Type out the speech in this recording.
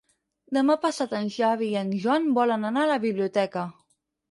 Demà passat en Xavi i en Joan volen anar a la biblioteca.